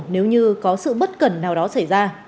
nếu như có sự bất cần nào đó xảy ra